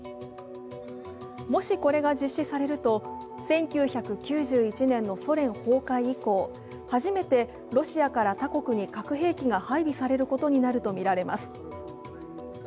もし、これが実施されると１９９１年のソ連崩壊以降、初めてロシアから他国に核兵器が配備されることになるとみられます。